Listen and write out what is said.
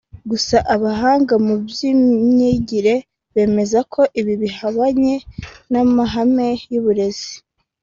Gusa abahanga mu by’imyigire bemeza ko ibi bihabanye n’amahame y’uburezi